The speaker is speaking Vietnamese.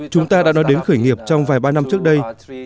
chúng ta đã nói đến khởi nghiệp trong vài ba năm trước đây